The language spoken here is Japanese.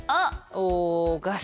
おおガス。